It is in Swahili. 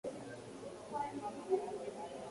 mchezaji wa tenisi karl behr alikuwa na mke wake